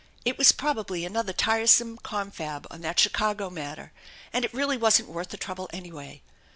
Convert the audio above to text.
It was probably another tiresome confab on that Chicago matter, and it really wasn't worth the trouble, anyway.